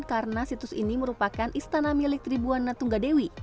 karena situs ini merupakan istana milik tribuan natunggadewi